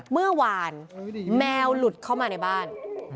เมื่อวานแมวหลุดเข้ามาในบ้าน